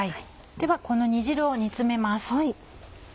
ではこの煮汁を煮詰めます。